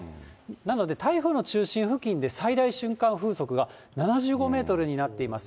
なので、台風の中心付近で最大瞬間風速が７５メートルになっています。